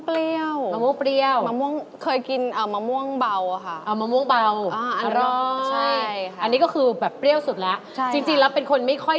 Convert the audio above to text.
เป็นสายเปรี้ยวไหม